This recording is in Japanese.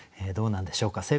どうなんでしょうか？